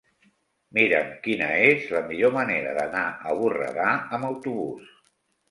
Mira'm quina és la millor manera d'anar a Borredà amb autobús.